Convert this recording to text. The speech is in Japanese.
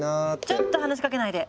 ちょっと話しかけないで。